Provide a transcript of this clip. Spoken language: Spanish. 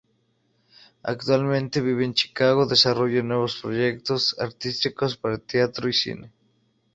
Actualmente vive en Chicago, desarrolla nuevos proyectos artísticos para Teatro y Cine.